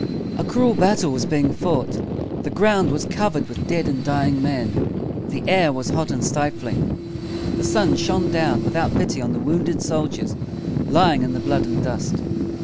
A cruel battle was being fought. The ground was covered with dead and dying men. The air was hot and stifling. The sun shone down without pity on the wounded soldiers lying in the blood and dust.